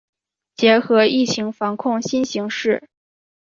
结合疫情防控新形势